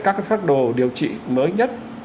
các pháp đồ điều trị mới nhất